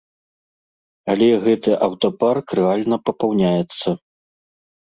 Але гэты аўтапарк рэальна папаўняецца.